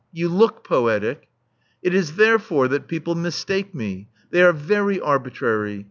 You look poetic." "It is therefore that people mistake me. They are very arbitrary.